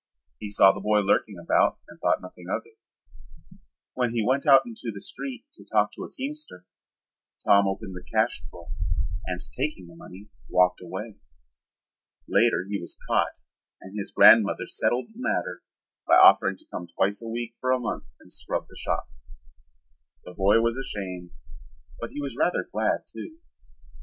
He saw the boy lurking about and thought nothing of it. When he went out into the street to talk to a teamster Tom opened the cash drawer and taking the money walked away. Later he was caught and his grandmother settled the matter by offering to come twice a week for a month and scrub the shop. The boy was ashamed, but he was rather glad, too.